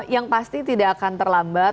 yang pasti tidak akan terlambat